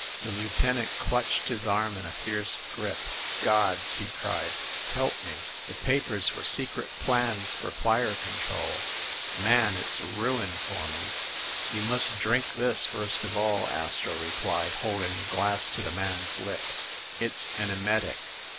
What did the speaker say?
The lieutenant clutched his arm in a fierce grip. "Gods !" he cried. "Help me ! The papers were secret plans for fire control. Man, it's ruin for me !" "You must drink this, first of all," Astro replied, holding the glass to the man's lips. "It's an emetic.